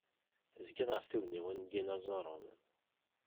Tezgiḍ ɣef tugniwin n yinaẓuren.